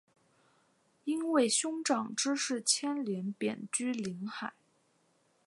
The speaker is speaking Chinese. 因为兄长之事牵连贬居临海。